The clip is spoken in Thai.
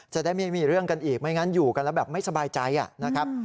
จะได้ไม่มีเรื่องกันอีกไม่งั้นอยู่กันแล้วแบบไม่สบายใจนะครับ